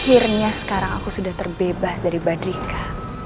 akhirnya sekarang aku sudah terbebas dari badrika